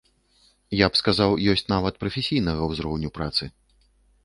Я б сказаў ёсць нават прафесійнага ўзроўню працы.